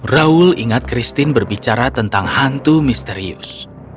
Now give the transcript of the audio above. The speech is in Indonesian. raul ingat christine berbicara tentang hantu misterius